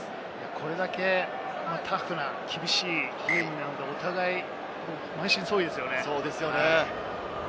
これだけタフな厳しいゲームなので、お互い満身創痍ですよね。